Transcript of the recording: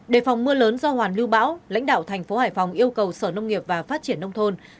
đề phòng mưa lớn do hoàn lưu bão lãnh đạo thành phố hải phòng yêu cầu sở nông nghiệp và phát triển nông thôn